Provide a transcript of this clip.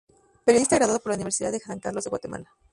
Periodista graduado por la Universidad de San Carlos de Guatemala.